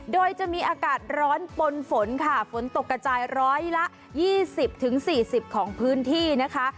โดยจะมีอากาศร้อนปนฝนค่ะฝนตกกระจายร้อยละ๒๐๔๐ของพื้นที่นะคะ